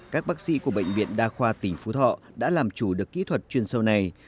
các bác sĩ của bệnh viện đa khoa tỉnh phú thọ đã làm chủ được kỹ thuật chuyên sâu này